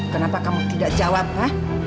kenapa kamu tidak jawab ya